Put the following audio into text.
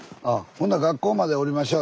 ほんなら学校まで下りましょう。